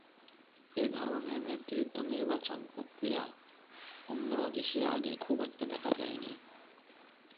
এ ধরনের নেতৃত্ব নির্বাচন প্রক্রিয়া অন্য দেশে আগে খুব একটা দেখা যায়নি।